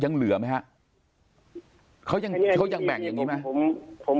ยังเหลือไหมฮะเขายังแบ่งอย่างงี้ไหม